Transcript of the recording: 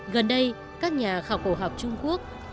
gần đây các nhà khảo cổ học trung quốc